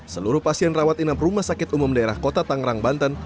seluruh pasien rawat inap rumah sakit umum daerah kota tangerang banten